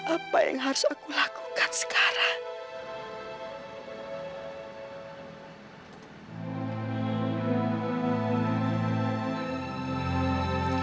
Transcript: apa yang harus aku lakukan sekarang